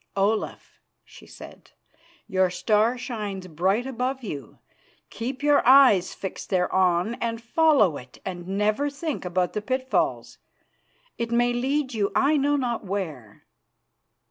"Olaf," she said, "your star shines bright above you. Keep your eyes fixed thereon and follow it, and never think about the pitfalls. It may lead you I know not where."